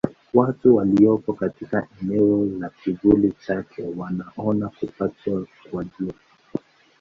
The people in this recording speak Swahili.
Watu waliopo katika eneo la kivuli chake wanaona kupatwa kwa Jua.